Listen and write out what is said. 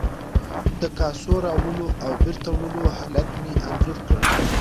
د کاسو راوړلو او بیرته وړلو حالت مې انځور کړ.